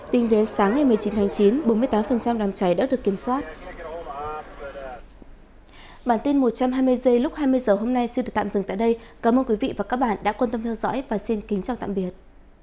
tính đến sáng ngày một mươi chín tháng chín bốn mươi tám đàm cháy đã được kiểm soát